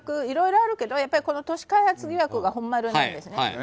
いろいろあるけど都市開発疑惑が本丸なんですね。